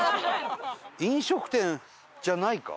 飲食店じゃないか？